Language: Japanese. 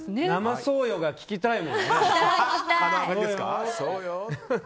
生そうよが聞きたいね。